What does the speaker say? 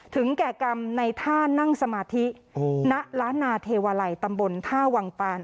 แก่กรรมในท่านั่งสมาธิณล้านนาเทวาลัยตำบลท่าวังปาน